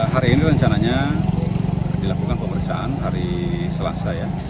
hari ini rencananya dilakukan pemeriksaan hari selasa ya